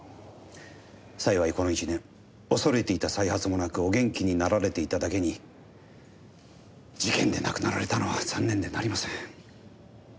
幸いこの１年恐れていた再発もなくお元気になられていただけに事件で亡くなられたのは残念でなりません。